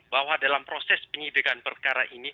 bahwa dalam proses penyidikan perkara ini